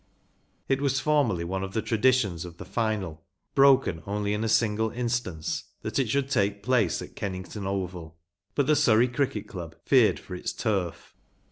It was formerly one of the traditions of the final, broken only in a single instance, that it should take place at Kennington Oval, but the Surrey Cricket Club feared for its turf.